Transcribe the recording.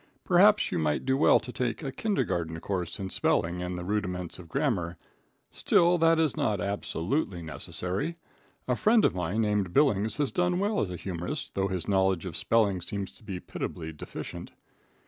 Perhaps you might do well to take a Kindergarten course in spelling and the rudiments of grammar; still, that is not absolutely necessary. A friend of mine named Billings has done well as a humorist, though his knowledge of spelling seems to be pitiably deficient.